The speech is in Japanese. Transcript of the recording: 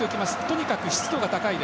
とにかく湿度が高い。